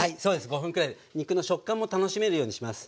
５分くらいで肉の食感も楽しめるようにします。